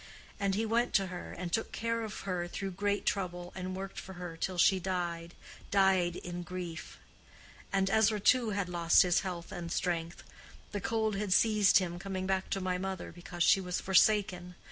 And he went to her, and took care of her through great trouble, and worked for her till she died—died in grief. And Ezra, too, had lost his health and strength. The cold had seized him coming back to my mother, because she was forsaken.